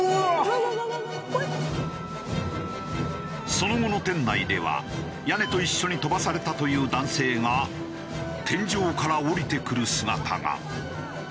その後の店内では屋根と一緒に飛ばされたという男性が天井から下りてくる姿が。